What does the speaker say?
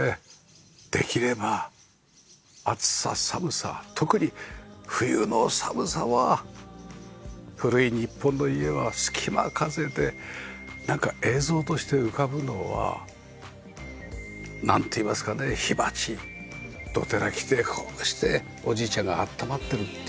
できれば暑さ寒さ特に冬の寒さは古い日本の家は隙間風でなんか映像として浮かぶのはなんていいますかね火鉢どてら着てこうしておじいちゃんが温まってるっていう。